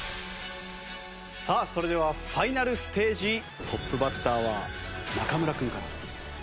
さあそれではファイナルステージトップバッターは中村君から。